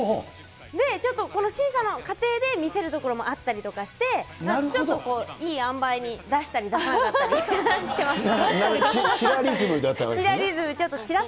で、ちょっとこの審査の過程で見せるところもあったりとかして、ちょっといいあんばいに出したり、出さなかったりしてました。